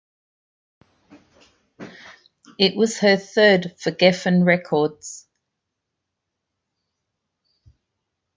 It was her third for Geffen Records.